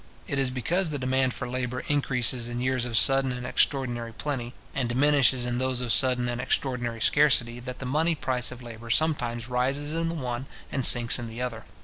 It is because the demand for labour increases in years of sudden and extraordinary plenty, and diminishes in those of sudden and extraordinary scarcity, that the money price of labour sometimes rises in the one, and sinks in the other.